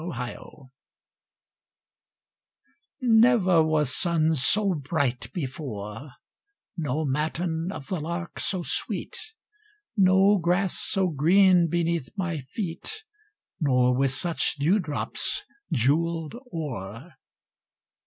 A SUMMER MORNING Never was sun so bright before, No matin of the lark so sweet, No grass so green beneath my feet, Nor with such dewdrops jewelled o'er.